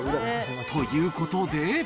ということで。